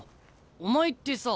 お前ってさ。